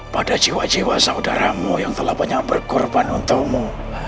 pada jiwa jiwa saudaramu yang telah banyak berkorban untukmu